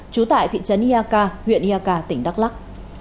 chú tại thị trấn ia ca huyện ia ca tỉnh đắk lắc